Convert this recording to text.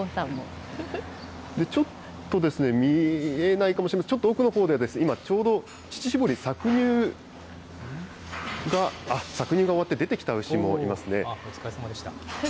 ちょっと見えないかもしれません、ちょっと奥のほうで、今、ちょうど乳搾り、搾乳が、搾乳が終わって出てきた牛もいますね。